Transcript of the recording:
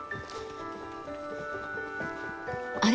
あれ？